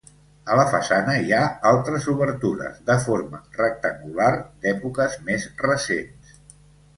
A la façana hi ha altres obertures, de forma rectangular, d'èpoques més recents.